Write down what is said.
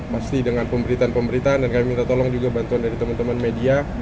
pasti dengan pemberitaan pemberitaan dan kami minta tolong juga bantuan dari teman teman media